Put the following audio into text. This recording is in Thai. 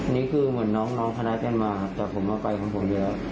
นี่คือเหมือนน้องคณะเป็นมาแต่ผมว่าไปของผมเยอะ